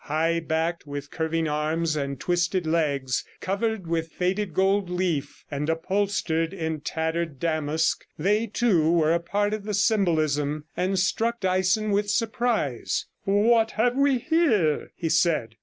High backed, with curving arms and twisted legs, covered with faded gold leaf, and upholstered in tattered damask, they too were a part of the symbolism, and struck Dyson with surprise. 'What have we here?' he said.